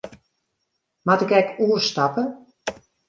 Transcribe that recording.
Moat ik ek oerstappe?